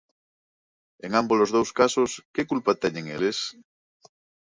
En ámbolos dous casos, que culpa teñen eles?